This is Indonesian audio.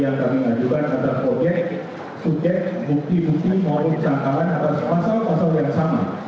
dan juga pra peradilan yang kami ajukan sebagai subjek bukti bukti mengurus tangkapan atas pasal pasal yang sama